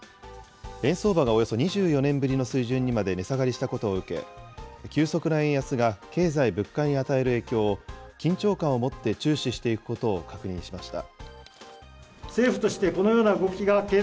円相場がおよそ２４年ぶりの水準にまで値下がりしたことを受けて、急速な円安が経済・物価に与える影響を、緊張感を持って注視していくことを確認しました。